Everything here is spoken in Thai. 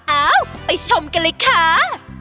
เอ้าไปชมกันเลยค่ะ